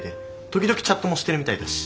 時々チャットもしてるみたいだし。